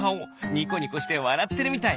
ニコニコしてわらってるみたい。